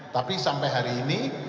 tapi sampai hari ini